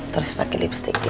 terus pakai lipstick dikit